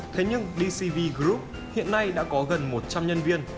thế nhưng dcv group hiện nay đã có gần một trăm linh nhân viên